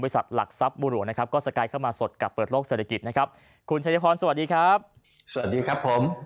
สวัสดีครับผม